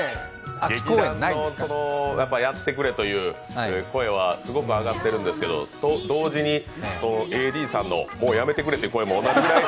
劇団のやってくれという声はすごく上がってるんですけど、同時に、ＡＤさんのやめてくれという声も同じくらい。